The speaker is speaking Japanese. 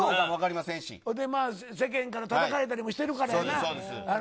世間からたたかれたりもしてるからな。